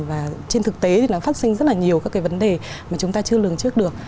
và trên thực tế thì nó phát sinh rất là nhiều các cái vấn đề mà chúng ta chưa lường trước được